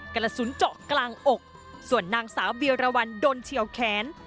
กระสุนเจาะกลางอกส่วนนางสาวเบียรวรรณโดนเฉียวแขน